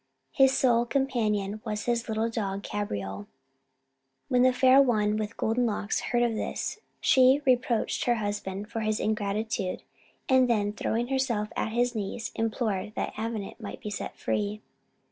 His sole companion was his little dog Cabriole. When the Fair One with Golden Locks heard of this, she reproached her husband for his ingratitude, and then, throwing herself at his knees, implored that Avenant might be set free.